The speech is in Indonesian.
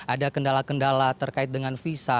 ada kendala kendala terkait dengan visa